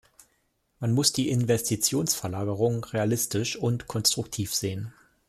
Man muss die Investitionsverlagerung realistisch und konstruktiv sehen.